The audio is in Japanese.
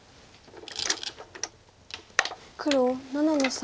黒７の三。